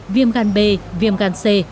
viêm gan b viêm gan c